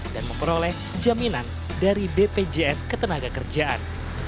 dan memperoleh jaminan dari dpjs ketenagakerjaan